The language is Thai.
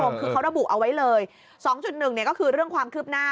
คือเขาระบุเอาไว้เลย๒๑เนี่ยก็คือเรื่องความคืบหน้า